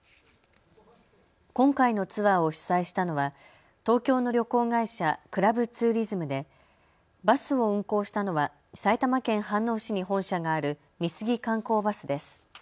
今回のツアーを主催したのは東京の旅行会社、クラブツーリズムでバスを運行したのは埼玉県飯能市に本社がある美杉観光バスです。